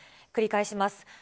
繰り返します。